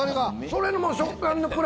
それの。